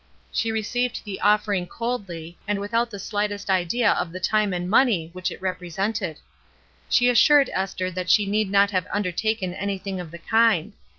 She received the offering coldly and without the slightest idea of the time and money which it represented. She assured Esther that she need not have undertaken anything of the kind.